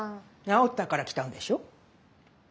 治ったから来たんでしょ。